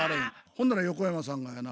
ほんなら横山さんがやな。